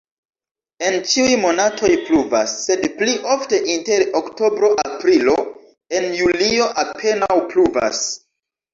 En ĉiuj monatoj pluvas, sed pli ofte inter oktobro-aprilo, en julio apenaŭ pluvas.